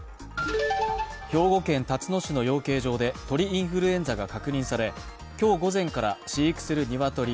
兵庫県たつの市の養鶏場で鳥インフルエンザが確認され、今日午前から飼育するニワトリ